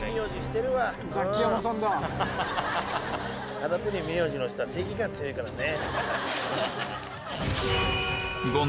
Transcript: あの手の名字の人は正義感強いからね。